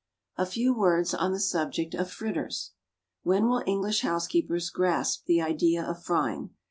A few words on the subject of fritters. When will English housekeepers grasp the idea of frying?